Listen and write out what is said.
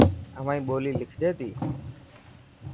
اوهائي ٻولي لکجي تي.